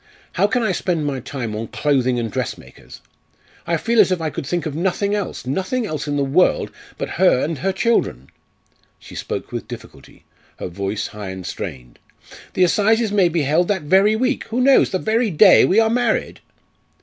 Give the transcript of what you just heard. How can I spend my time on clothing and dressmakers? I feel as if I could think of nothing else nothing else in the world but her and her children." She spoke with difficulty, her voice high and strained. "The assizes may be held that very week who knows? the very day we are married."